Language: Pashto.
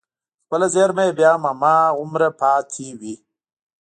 خپله زېرمه يې بيا هم هماغومره پاتې وي.